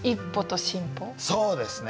そうですね。